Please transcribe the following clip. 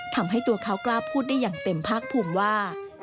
ทำให้ตัวเขากล้าพูดได้อย่างเต็มภาคภูมิว่า